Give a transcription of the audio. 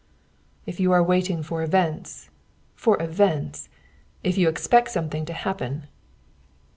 "If you are waiting for events for events! If you expect something to happen!"